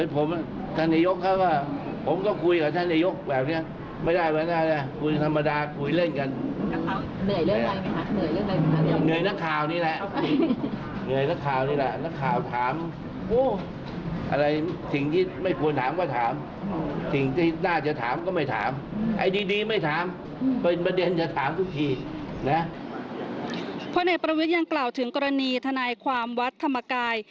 พลเอกประวิทย์ยังกล่าวถึงกรณีทนายความวัดธรรมกาย